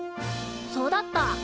そうだった。